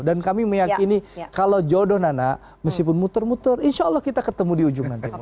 dan kami meyakini kalau jodoh nana meskipun muter muter insya allah kita ketemu di ujung nanti